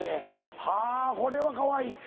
はぁこれはかわいい。